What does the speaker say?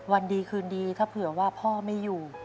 วันดีคืนดีถ้าเผื่อว่าพ่อไม่อยู่